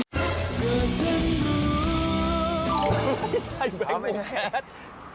ไม่ใช่แบงก์มุ้งแค้น